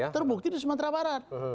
terbukti di sumatera barat